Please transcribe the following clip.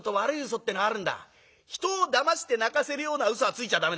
人をだまして泣かせるようなうそはついちゃダメだ。